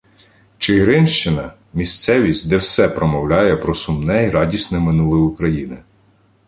Чигиринщина — місцевість, де все промовляє про сумне й радісне минуле України.